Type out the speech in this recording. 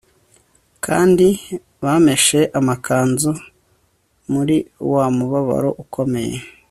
kandi bameshe amakanzu muri wa mubabaro ukomeye